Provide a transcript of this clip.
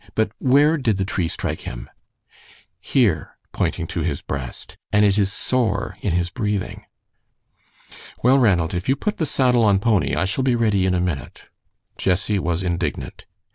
But where did the tree strike him?" "Here," pointing to his breast; "and it is sore in his breathing." "Well, Ranald, if you put the saddle on Pony, I shall be ready in a minute." Jessie was indignant.